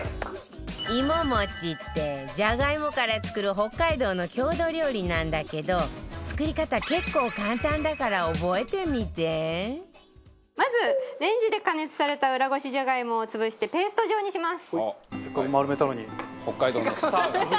いももちってじゃがいもから作る北海道の郷土料理なんだけど作り方、結構、簡単だから覚えてみてまず、レンジで加熱されたうらごしじゃがいもを潰してペースト状にします。